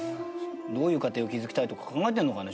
どういう家庭を築きたいとか考えてるのかね？